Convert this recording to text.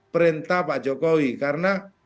perintah pak jokowi karena